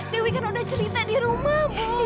dewi kan udah cerita di rumah ibu